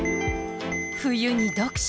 冬に読書。